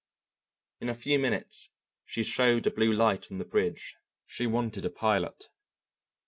In a few minutes she showed a blue light on the bridge; she wanted a pilot.